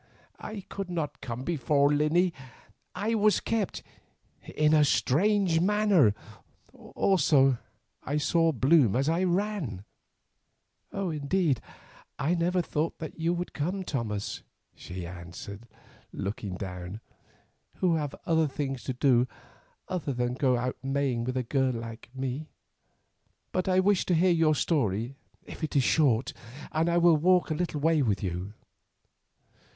"I could not come before, Lily. I was kept, and in a strange manner. Also I saw bloom as I ran." "Indeed, I never thought that you would come, Thomas," she answered, looking down, "who have other things to do than to go out maying like a girl. But I wish to hear your story, if it is short, and I will walk a little way with you."